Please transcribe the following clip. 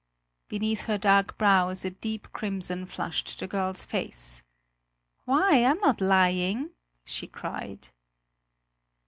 Beneath her dark brows a deep crimson flushed the girl's face. "Why? I'm not lying!" she cried.